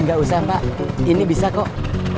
nggak usah pak ini bisa kok